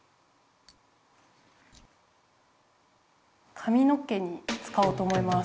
かみの毛につかおうと思います。